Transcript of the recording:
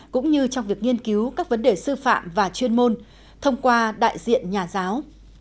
cũng như trong việc nghiên cứu các vấn đề sư phạm và chuyên môn thông qua đại diện nhà giáo